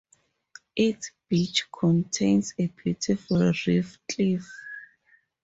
Its beach contains a beautiful reef cliff.